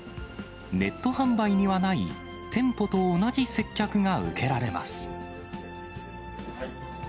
ネット販売にはない、店舗と同じ接客が受けられます。